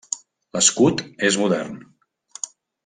L'escut és modern.